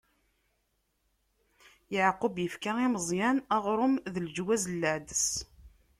Yeɛqub ifka i Meẓyan aɣrum d leǧwaz n leɛdes.